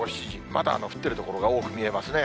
まだ降ってる所が多く見えますね。